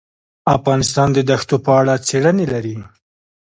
افغانستان د دښتو په اړه څېړنې لري.